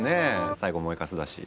最後燃えかすだし。